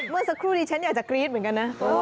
เมื่อสักครู่นี้ฉันอยากจะกรี๊ดเหมือนกันนะ